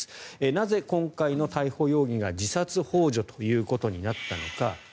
なぜ今回の逮捕容疑が自殺ほう助となったのか。